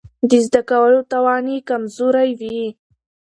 د زده کولو توان يې کمزوری وي.